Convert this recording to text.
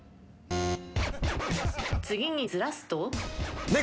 次にずらすと？ネコ！